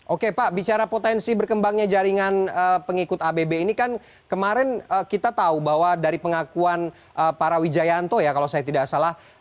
oke pak bicara potensi berkembangnya jaringan pengikut abb ini kan kemarin kita tahu bahwa dari pengakuan para wijayanto ya kalau saya tidak salah